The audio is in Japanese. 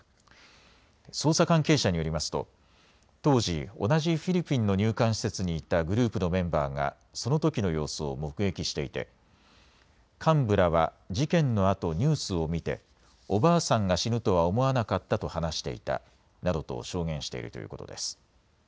捜査関係者によりますと当時、同じフィリピンの入管施設にいたグループのメンバーがそのときの様子を目撃していて幹部らは事件のあとニュースを見ておばあさんが死ぬとは思わなかったと話していたなどと証言しているということです。